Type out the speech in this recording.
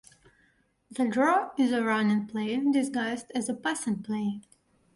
The draw is a running play disguised as a passing play.